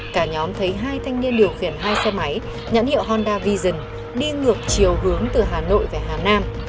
cả nhóm thấy hai thanh niên điều khiển hai xe máy nhãn hiệu honda vision đi ngược chiều hướng từ hà nội về hà nam